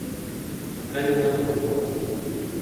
Mu kanya nkako guhumbya